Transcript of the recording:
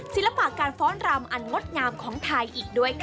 ศิลปะการฟ้อนรำอันงดงามของไทยอีกด้วยค่ะ